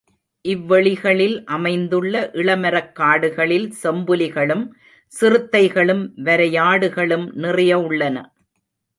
இவ்வெளிகளில் அமைந்துள்ள இளமரக்காடுகளில் செம்புலி களும், சிறுத்தை களும், வரையாடுகளும் நிறைய உள்ளன.